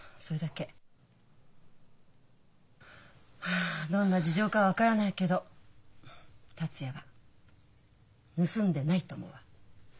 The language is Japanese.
はあどんな事情か分からないけど達也は盗んでないと思うわ。